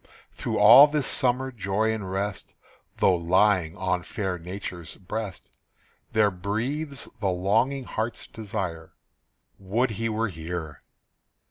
Through all this summer joy and rest, Though lying on fair Nature's breast, There breathes the longing heart's desire, Would he were here!